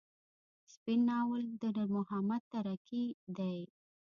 سپين ناول د نور محمد تره کي دی.